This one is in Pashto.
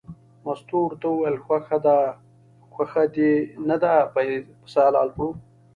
مستو ورته وویل خوښه دې نه ده پسه حلال کړو.